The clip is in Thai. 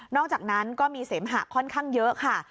อกจากนั้นก็มีเสมหะค่อนข้างเยอะค่ะ